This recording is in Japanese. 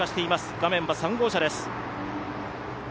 画面は３号車です。